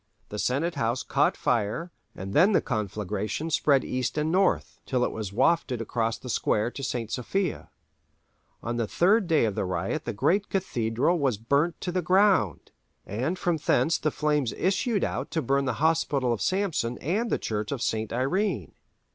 The Senate House caught fire, and then the conflagration spread east and north, till it was wafted across the square to St. Sophia. On the third day of the riot the great cathedral was burnt to the ground, and from thence the flames issued out to burn the hospital of Sampson and the church of St. Irene.